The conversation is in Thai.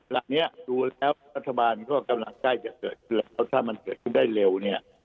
ตอนนี้รัฐบาลก็ออกกำลังใจจะเกิดขึ้นแล้วถ้ามันเกิดขึ้นได้เร็วเนี้ย